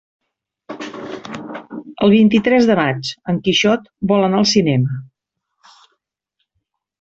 El vint-i-tres de maig en Quixot vol anar al cinema.